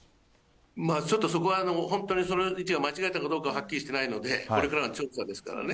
ちょっとそこは本当にその位置が間違えたかどうかはっきりしてないので、これからの調査ですからね。